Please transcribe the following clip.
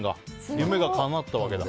夢がかなったわけだ。